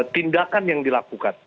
tindakan yang dilakukan